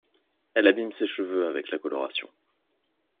Elle abîme ses cheveux avec la coloration.